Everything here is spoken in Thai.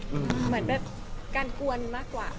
เหมือนแบบการกวนมากกว่า